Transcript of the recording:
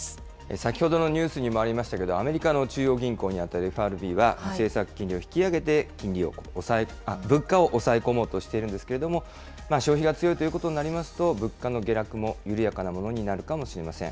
先ほどのニュースにもありましたけれども、アメリカの中央銀行に当たるＦＲＢは政策金利を引き上げて、物価を抑え込もうとしているんですけれども、消費が強いということになりますと、物価の下落も緩やかなものになるかもしれません。